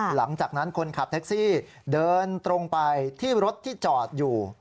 หลังจากนั้นคนขับแท็กซี่เดินตรงไปที่รถที่จอดอยู่